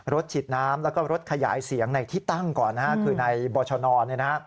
ฉีดน้ำแล้วก็รถขยายเสียงในที่ตั้งก่อนนะฮะคือในบรชน